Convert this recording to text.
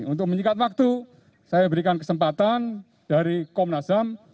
untuk menyingkat waktu saya berikan kesempatan dari komnas ham